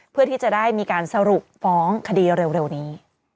เพื่อที่จะได้มีการสรุปฟ้องคดีเร็วนี้